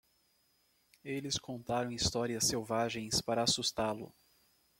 Eles contaram histórias selvagens para assustá-lo.